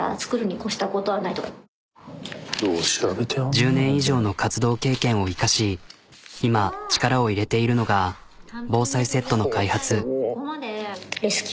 １０年以上の活動経験を生かし今力を入れているのが防災セットの開発。